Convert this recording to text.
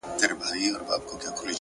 عادتونه د انسان راتلونکی لیکي,